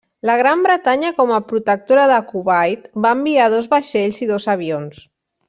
La Gran Bretanya com a protectora de Kuwait va enviar dos vaixells i dos avions.